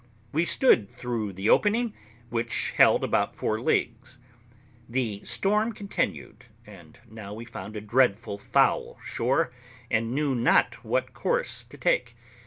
We stood through the opening, which held about four leagues. The storm continued, and now we found a dreadful foul shore, and knew not what course to take.